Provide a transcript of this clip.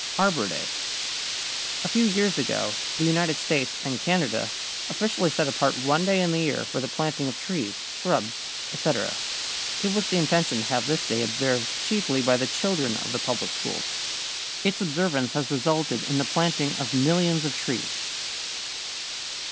=Arbor Day.= A few years ago the United States and Canada officially set apart one day in the year for the planting of trees, shrubs, etc. It was the intention to have this day observed chiefly by the children of the public schools. Its observance has resulted in the planting of millions of trees.